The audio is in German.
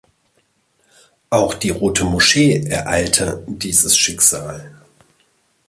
Auch die Rote Moschee ereilte dieses Schicksal.